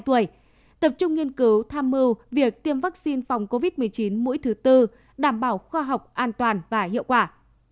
tập trung nghiên cứu tham mưu việc tiêm vaccine phòng covid một mươi chín mũi thứ tư đảm bảo khoa học an toàn và hiệu quả